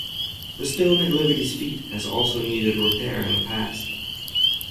The stone at Liberty's feet has also needed repair in the past.